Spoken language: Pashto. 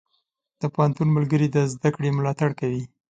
د پوهنتون ملګري د زده کړې ملاتړ کوي.